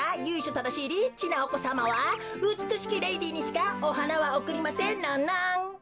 ただしいリッチなおこさまはうつくしきレディーにしかおはなはおくりませんノンノン。